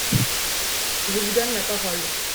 Je vous donne la parole.